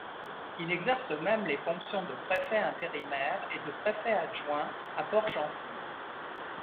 Il exerce même les fonctions de préfet intérimaire et de préfet adjoint à Port-Gentil.